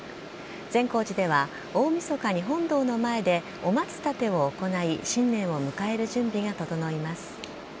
善光寺では大みそかに本堂の前でお松立てを行い、新年を迎える準備が整います。